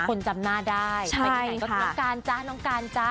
คนจำหน้าได้ไปที่ไหนก็น้องการจ๊ะน้องการจ๊ะ